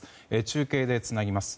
中継でつなぎます。